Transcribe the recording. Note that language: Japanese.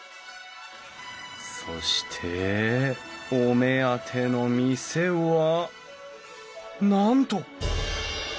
そしてお目当ての店はなんと！